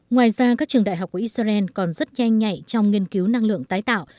ngoài ra các trường đại học của israel còn rất nhanh nhạy trong nghiên cứu năng lượng tái tạo